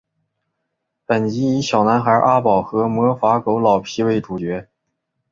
本集以小男孩阿宝和魔法狗老皮为主角。